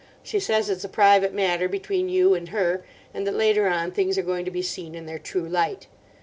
She says it's a private matter between you and her, and that later on things are going to be seen in their true light.